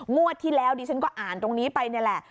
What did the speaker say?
งวดที่แล้วดิฉันก็อ่านตรงนี้ไปนี่แหละ